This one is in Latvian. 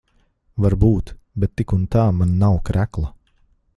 Varbūt. Bet tik un tā man nav krekla.